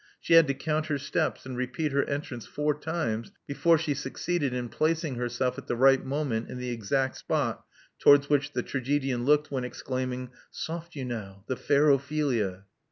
She had to count her steps, and repeat her entrance four times before she succeeded in placing herself at the right moment in the exact spot towards which the tragedian looked when exclaiming Soft you now! The fair Ophelia."